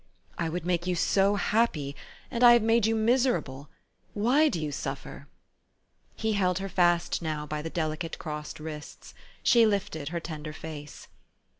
" I would make you so happy ; and I have made you miserable ! Why do you suffer? " He held her fast now by the delicate crossed wrists. She lifted her tender face.